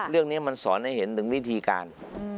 เรื่องนี้มันสอนให้เห็นถึงวิธีการ